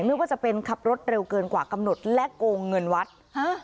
ไม่ว่าจะเป็นขับรถเร็วเกินกว่ากำหนดและโกงเงินวัดฮะ